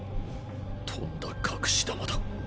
とんだ隠し玉だ。